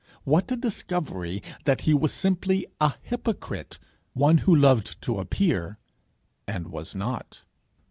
What a discovery that he was simply a hypocrite one who loved to appear, and was not!